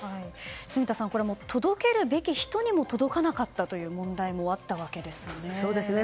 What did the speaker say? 住田さん、届けるべき人にも届かなかったという問題もあったわけなんですね。